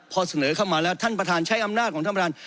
พอเสนอเข้ามาแล้วท่านประธานใช้อำนาจของท่านประธาน